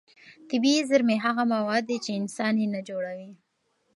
طبیعي زېرمې هغه مواد دي چې انسان یې نه جوړوي.